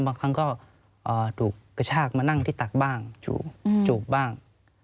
มานั่งที่ตักบ้างจูบบ้าง